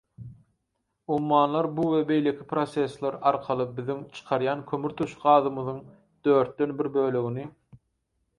Ummanlar bu we beýleki prosessler arkaly, biziň çykarýan kömürturşy gazymyzyň dörtden bir bölegini